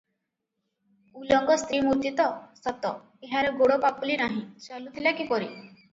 ଉଲଙ୍ଗ ସ୍ତ୍ରୀ ମୂର୍ତ୍ତି ତ, ସତ, ଏହାର ଗୋଡ଼ ପାପୁଲି ନାହିଁ, ଚାଲୁଥିଲା କିପରି?